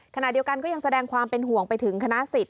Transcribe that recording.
ขณะเดียวกันก็ยังแสดงความเป็นห่วงไปถึงคณะสิทธ